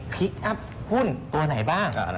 พลิกอัพหุ้นตัวไหนบ้าง